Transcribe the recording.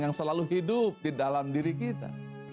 yang selalu hidup di dalam diri kita